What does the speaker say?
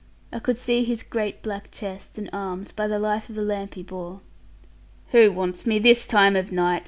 I could see his great black chest, and arms, by the light of the lamp he bore. 'Who wants me this time of night?'